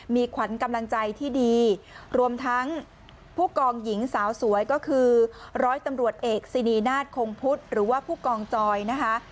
มีขวัญกำลังใจที่ดีรวมทั้งผู้กองหญิงสาวสวยก็คือร้อยตำรวจเอกซินีนาฏคงพุทธหรือว่าผู้กองจอยนะคะ